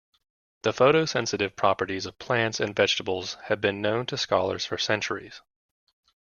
The photo-sensitive properties of plants and vegetables have been known to scholars for centuries.